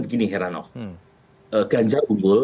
begini heranov ganjar bumbul